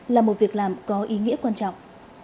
là một việc làm có ý nghĩa quan trọng